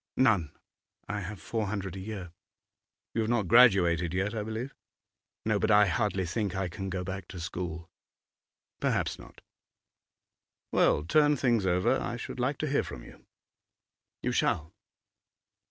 'None; I have four hundred a year.' 'You have not graduated yet, I believe?' 'No. But I hardly think I can go back to school.' 'Perhaps not. Well, turn things over. I should like to hear from you.' 'You shall.